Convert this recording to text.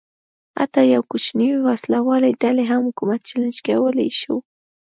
حتی یوې کوچنۍ وسله والې ډلې هم حکومت چلنج کولای شو.